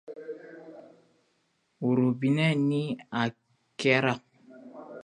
- Ka ɲiningali nata kɛ walisa kalandenw ka koo kunjɔnjɔnw sɛnsɛn, minw